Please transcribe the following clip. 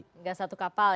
tidak satu kapal ya